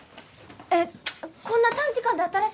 えっこんな短時間で新しく？